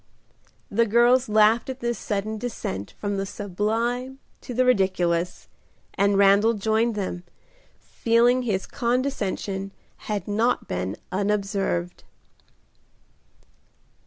The girls laughed at this sudden descent from the sublime to the ridiculous, and Randal joined them, feeling his condescension had not been unobserved.